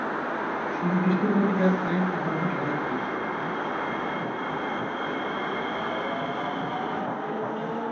ধসে পড়ার আগে আট তলার কাজ চলছিল।